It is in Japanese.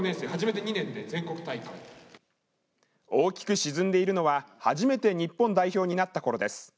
大きく沈んでいるのは初めて日本代表になったころです。